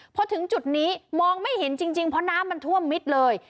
พอถึงจุดนี้มองไม่เห็นจริงเพราะน้ำมันท่วมมิดเลย